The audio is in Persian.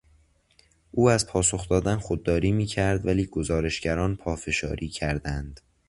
او از پاسخ دادن خودداری میکرد ولی گزارشگران پافشاری کردند.